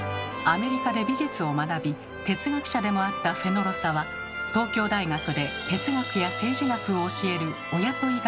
アメリカで美術を学び哲学者でもあったフェノロサは東京大学で哲学や政治学を教える「お雇い外国人」でした。